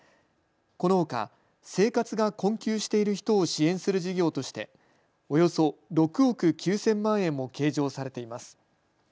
このほか生活が困窮している人を支援する事業としておよそ６億９０００万円も計上されています。